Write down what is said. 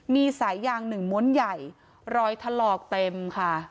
มีสายยางหนึ่งม้วนใหญ่รอยถลอกเต็มค่ะ